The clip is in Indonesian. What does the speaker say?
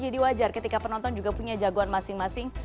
jadi wajar ketika penonton juga punya jagoan masing masing